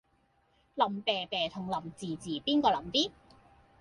腍啤啤同腍滋滋邊個腍啲？